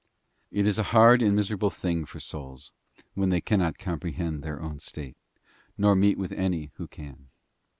* It is a hard and miserable thing for souls when they can : not comprehend their own state, nor meet with any one who ean.